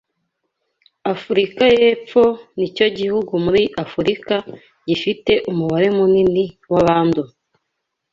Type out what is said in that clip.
Afurika yepfo nicyo kihugu muri afurika gifite umubare munini wa bandura